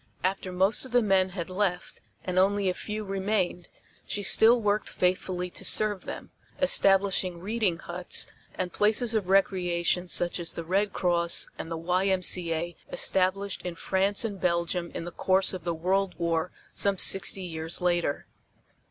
After most of the men had left and only a few remained she still worked faithfully to serve them, establishing "reading huts" and places of recreation such as the Red Cross and the Y.M.C.A. established in France and Belgium in the course of the World War some sixty years later.